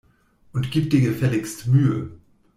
Und gib dir gefälligst Mühe!